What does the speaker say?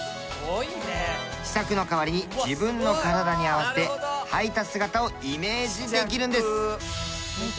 試着の代わりに自分の体に合わせてはいた姿をイメージできるんです。